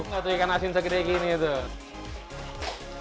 satu ikan asin segede gini tuh